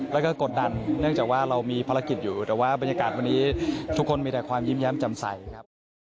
แล้วก็กดดันเนื่องจากว่าเรามีภารกิจอยู่แต่ว่าบรรยากาศวันนี้ทุกคนมีแต่ความยิ้มแย้มจำใสครับ